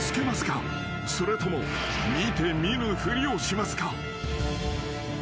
［それとも見て見ぬふりをしますか？］